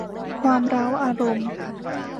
ความเร้าอารมณ์